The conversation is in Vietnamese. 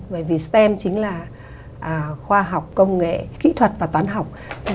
bởi vì stem chính là khoa học công nghệ kỹ thuật và toán học